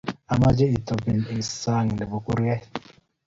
amache itobin sang ne bo kurkee.